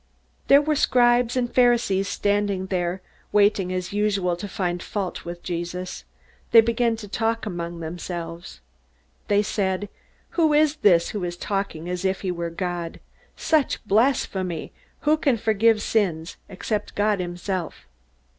There were scribes and Pharisees standing there, waiting, as usual, to find fault with Jesus. They began to talk among themselves. They said: "Who is this who is talking as if he were God? Such blasphemy! Who can forgive sins, except God himself?"